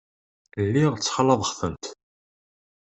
Lliɣ ttxalaḍeɣ-tent.